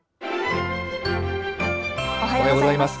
おはようございます。